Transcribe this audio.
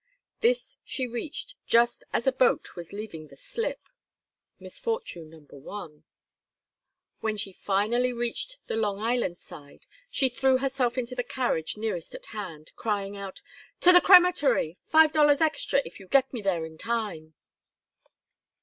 This she reached just as a boat was leaving the slip. Misfortune number one. When she finally reached the Long Island side, she threw herself into the carriage nearest at hand, crying out: "To the crematory! Five dollars extra if you get me there in time!"